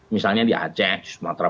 misalnya di aceh sumatera